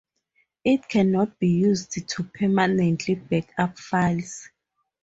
It cannot be used to permanently back up files.